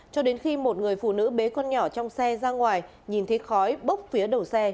cho đến khi một người phụ nữ bế con nhỏ trong xe ra ngoài nhìn thấy khói bốc phía đầu xe